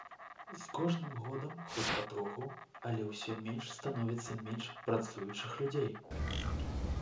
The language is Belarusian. З кожным годам хоць патроху, але ўсё менш становіцца менш працуючых людзей.